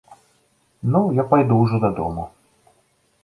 Ну, я пайду ўжо дадому.